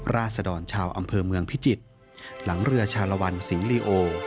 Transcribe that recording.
ราศดรชาวอำเภอเมืองพิจิตรหลังเรือชาลวันสิงหลีโอ